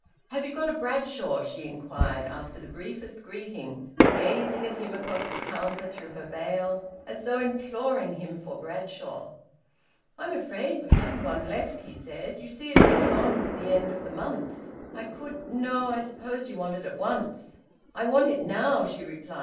"Have you got a Bradshaw?" she inquired, after the briefest greeting, gazing at him across the counter through her veil, as though imploring him for Bradshaw. "I'm afraid we haven't one left," he said. "You see it's getting on for the end of the month. I could No, I suppose you want it at once?" "I want it now," she replied.